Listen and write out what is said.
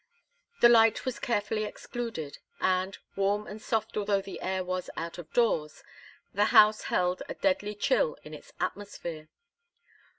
The light was carefully excluded, and, warm and soft although the air was out of doors, the house held a deadly chill in its atmosphere.